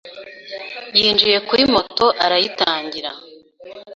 yinjiye kuri moto arayitangira.